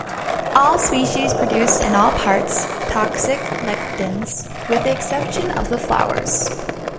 All species produce in all parts toxic lectins, with the exception of the flowers.